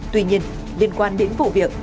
tuy nhiên liên quan đến vụ việc